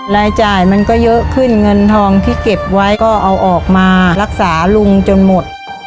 รายจ่ายมันก็เยอะขึ้นเงินทองที่เก็บไว้ก็เอาออกมารักษาลุงจนหมด